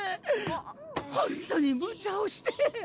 ほんとにむちゃをして！